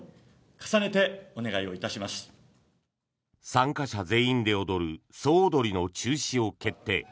参加者全員で踊る総踊りの中止を決定。